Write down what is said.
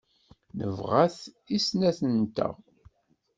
Nebɣa-t i snat-nteɣ.